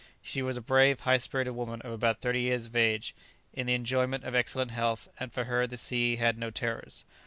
She was a brave, high spirited woman of about thirty years of age, in the enjoyment of excellent health, and for her the sea had no terrors.